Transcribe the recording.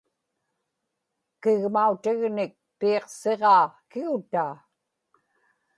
kigmautignik piiqsiġaa kigutaa